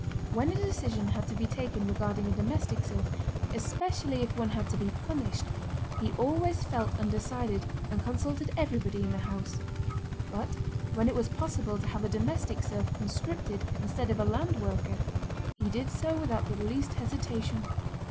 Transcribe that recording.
When a decision had to be taken regarding a domestic serf, especially if one had to be punished, he always felt undecided and consulted everybody in the house; but when it was possible to have a domestic serf conscripted instead of a land worker he did so without the least hesitation.